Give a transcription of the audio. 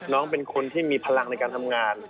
น้องเป็นคนที่มีพลังในการทำงาน